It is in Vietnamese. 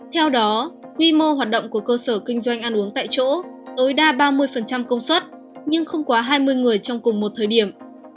theo đó quy mô hoạt động của cơ sở kinh doanh ăn uống tại chỗ tối đa ba mươi công suất nhưng không quá hai mươi người trong cùng một thời điểm